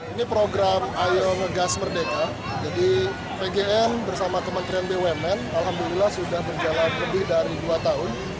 ini program ayo ngegas merdeka jadi pgn bersama kementerian bumn alhamdulillah sudah berjalan lebih dari dua tahun